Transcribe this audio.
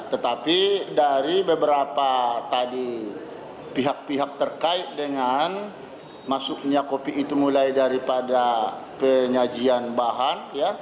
tetapi dari beberapa tadi pihak pihak terkait dengan masuknya kopi itu mulai daripada penyajian bahan